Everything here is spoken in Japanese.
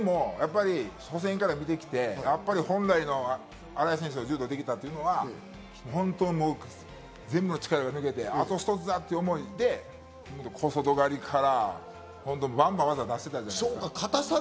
初戦から見てきて、やっぱり本来の新井選手の柔道ができたというのは、全部の力が抜けて、あと一つだという思いで小外刈からバンバン技を出してたじゃないですか。